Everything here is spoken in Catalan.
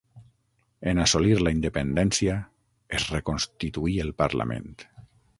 En assolir la independència, es reconstituí el parlament.